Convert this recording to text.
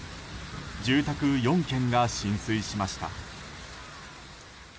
住宅４軒が浸水しました。